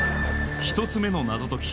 １つ目の謎解き